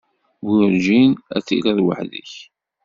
Werǧin ad tiliḍ weḥd-k.